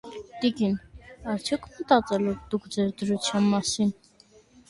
- Տիկին, արդյոք մտած՞ել եք դուք ձեր դրության մասին: